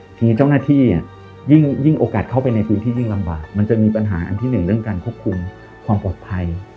ทีนี้เจ้าหน้าที่ยิ่งโอกาสเข้าไปในพื้นที่ยิ่งลำบากมันจะมีปัญหาอันที่หนึ่งเรื่องการควบคุมความปลอดภัย